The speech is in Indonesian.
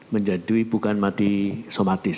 menjadi bukan mati somatis